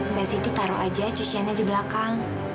mbak siti taruh aja cuciannya di belakang